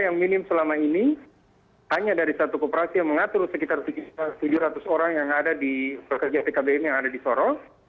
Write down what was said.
yang minim selama ini hanya dari satu kooperasi yang mengatur sekitar tujuh ratus orang yang ada di pekerja tkbm yang ada di sorong